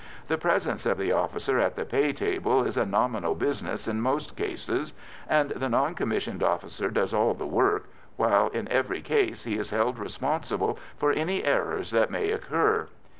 The presence of the officer at the pay table is a nominal business in most cases, and the non commissioned officer does all the work, while in every case he is held responsible for any errors that may occur.